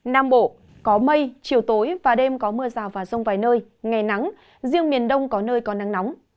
nam bộ có mây chiều tối và đêm có mưa rào và rông vài nơi ngày nắng riêng miền đông có nơi có nắng nóng